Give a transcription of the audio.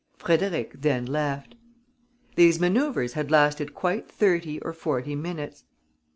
Frédéric then left. These manoeuvers had lasted quite thirty or forty minutes.